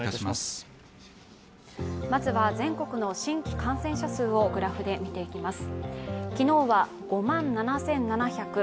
まずは全国の新規感染者数をグラフで見ていきます。